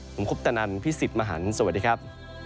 ผมคุปตะนันพี่สิทธิ์มหันฯสวัสดีครับ